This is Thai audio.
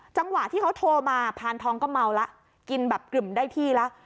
จังหวะที่เขาโทรมาพานทองก็เมาแล้วกินแบบกลึ่มได้ที่แล้ว